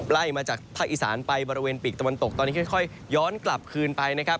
ไล่มาจากภาคอีสานไปบริเวณปีกตะวันตกตอนนี้ค่อยย้อนกลับคืนไปนะครับ